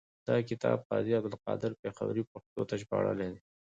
دغه کتاب قاضي عبدالقادر پیښوري پښتو ته ژباړلی دی.